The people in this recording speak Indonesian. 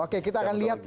oke kita akan lihat